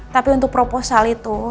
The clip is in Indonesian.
tapi untuk proposal itu